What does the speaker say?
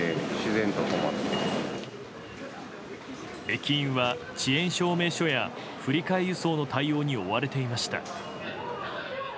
駅員は、遅延証明書や振り替え輸送の対応に追われていました。